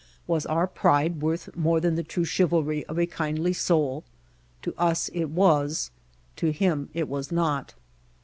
Was our pride worth more than the true chivalry of a kindly soul? To us it was, to him it was not.